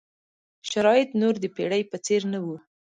شرایط نور د پېړۍ په څېر نه وو.